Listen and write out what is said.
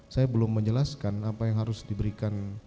saya belum menjelaskan apa yang harus diberikan